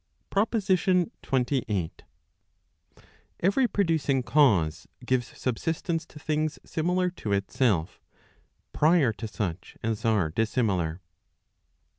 PROPOSITION XXVIII. Every producing cause gives subsistence to thing} similar to itself, prior to such as are dissimilar.